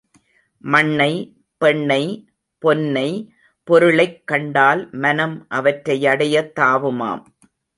மண்ணை, பெண்ணை, பொன்னை, பொருளைக் கண்டால் மனம் அவற்றையடையத் தாவுமாம்.